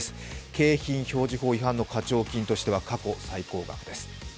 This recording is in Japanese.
景品表示法違反の課徴金としては過去最高額です。